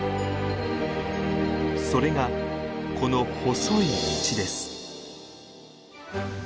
それがこの細い道です。